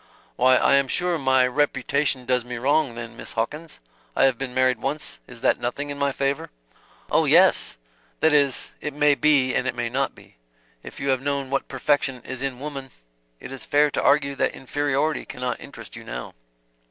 "Why I am sure my reputation does me wrong, then, Miss Hawkins. I have been married once is that nothing in my favor?" "Oh, yes that is, it may be and it may not be. If you have known what perfection is in woman, it is fair to argue that inferiority cannot interest you now."